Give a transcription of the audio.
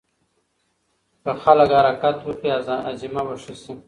که خلک حرکت وکړي هاضمه به ښه شي.